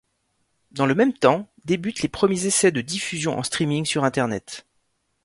Dans le même temps, débutent les premiers essais de diffusion en streaming sur internet.